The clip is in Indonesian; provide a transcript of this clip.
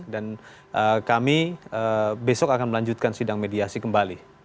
dan kami besok akan melanjutkan sidang mediasi kembali